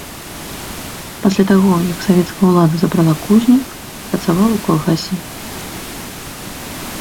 Пасля таго, як савецкая ўлада забрала кузню, працавала ў калгасе.